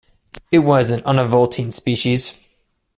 It is an univoltine species.